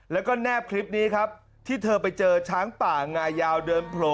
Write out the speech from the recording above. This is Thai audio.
แล้วก็แนบคลิปนี้ครับที่เธอไปเจอช้างป่างายาวเดินโผล่